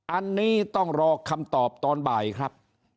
อันนี้ต้องรอคำตอบตอนบ่ายครับ